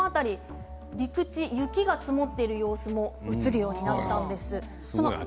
陸地、雪が積もっている様子も映るようになったんです。